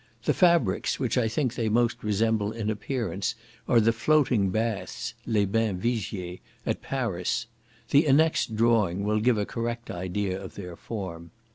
The fabrics which I think they most resemble in appearance, are the floating baths (les bains Vigier) at Paris. The annexed drawing will give a correct idea of their form.